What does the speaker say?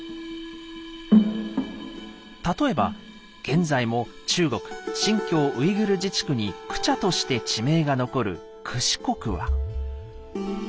例えば現在も中国新疆ウイグル自治区に「クチャ」として地名が残る「屈支國」は。